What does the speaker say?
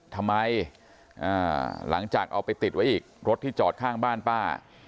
ทำไมหลังจากเอาไปติดไว้อีกรถที่จอดข้างบ้านป้า